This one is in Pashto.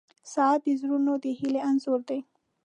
• ساعت د زړونو د هیلې انځور دی.